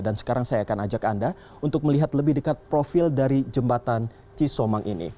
dan sekarang saya akan ajak anda untuk melihat lebih dekat profil dari jembatan cisomang ini